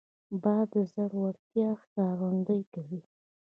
باز د زړورتیا ښکارندویي کوي